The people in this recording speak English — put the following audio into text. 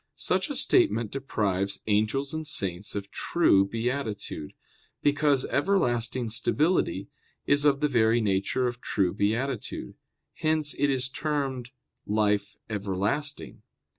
Such a statement deprives angels and saints of true beatitude, because everlasting stability is of the very nature of true beatitude; hence it is termed "life everlasting."